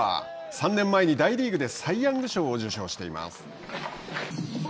３年前に大リーグでサイ・ヤング賞を受賞しています。